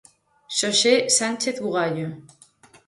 Xosé Sánchez Bugallo.